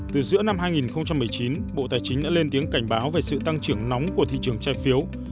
từ giữa năm hai nghìn một mươi chín bộ tài chính đã lên tiếng cảnh báo về sự tăng trưởng nóng của thị trường trái phiếu